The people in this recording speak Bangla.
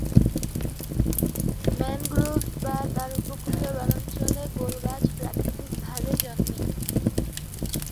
ম্যানগ্রোভ বা উপকূলীয় বনাঞ্চলে গোল গাছ প্রাকৃতিক ভাবে জন্মে।